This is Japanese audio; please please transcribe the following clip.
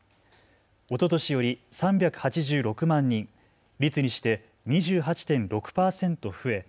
おととしより３８６万人、率にして２８．６％増え